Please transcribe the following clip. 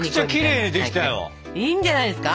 いいんじゃないですか。